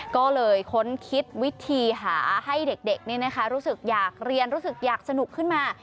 ก็เลยค้นคิดวิธีหาให้เด็กรู้สึกอยากเรียนรู้สึกอยากสนุกขึ้นมา